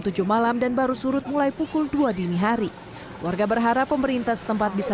tujuh malam dan baru surut mulai pukul dua dini hari warga berharap pemerintah setempat bisa